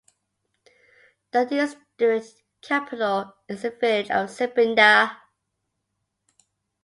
The district capital is the village of Sibbinda.